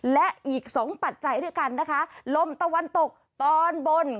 และอีกสองปัจจัยด้วยกันนะคะลมตะวันตกตอนบน